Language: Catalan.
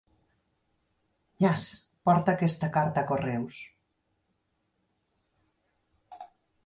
Jas, porta aquesta carta a Correus.